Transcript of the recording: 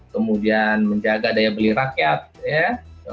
kemudian menjaga daya beli rakyat ya